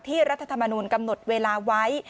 รัฐธรรมนูลกำหนดเวลาไว้